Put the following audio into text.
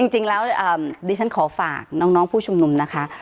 จริงแล้วดิฉันขอฝากน้องผู้ชุมนุมนะคะ